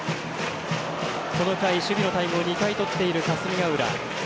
この回、守備のタイムを２回とっている霞ヶ浦。